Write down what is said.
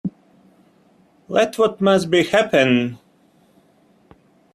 Let what must be, happen.